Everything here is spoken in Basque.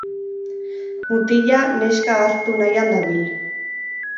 Mutila neska ahaztu nahian dabil.